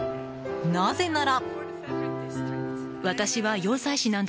なぜなら。